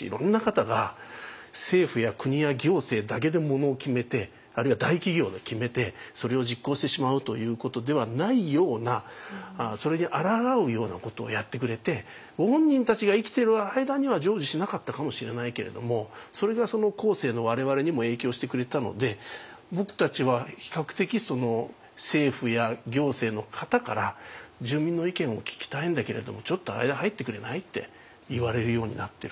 いろんな方が政府や国や行政だけでものを決めてあるいは大企業で決めてそれを実行してしまうということではないようなそれにあらがうようなことをやってくれてご本人たちが生きている間には成就しなかったかもしれないけれどもそれが後世の我々にも影響してくれたので僕たちは比較的政府や行政の方から「住民の意見を聞きたいんだけれどもちょっと間入ってくれない？」って言われるようになってる。